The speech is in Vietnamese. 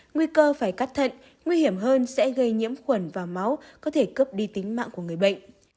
nguy cơ phải cắt thận nguy hiểm hơn sẽ gây nhiễm khuẩn và máu có thể cướp đi tính mạng của người bệnh